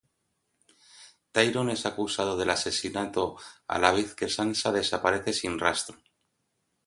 Tyrion es acusado del asesinato a la vez que Sansa desaparece sin rastro.